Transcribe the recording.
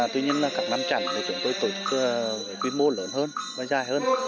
tuy nhiên là các năm trẳng thì chúng tôi tổ chức với quy mô lớn hơn và dài hơn